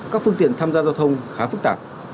các phương tiện tham gia giao thông khá phức tạp